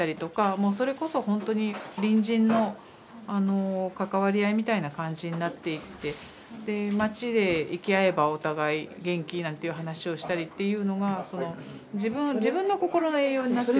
もうそれこそほんとに隣人の関わり合いみたいな感じになっていってで街で行き会えばお互い「元気？」なんていう話をしたりっていうのが自分のこころの栄養になってた。